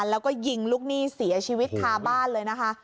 แล้วก็ยิงลูกหนี้เสียชีวิตคาบ้านเลยนะคะ